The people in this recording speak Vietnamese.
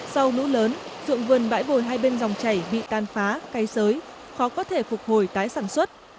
sau lũ lớn dụng vườn bãi bồi hai bên dòng chảy bị tan phá cây sới khó có thể phục hồi tái sản xuất